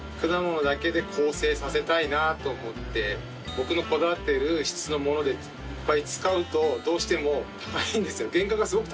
僕のこだわってる質のものでいっぱい使うとどうしても高いんですよ。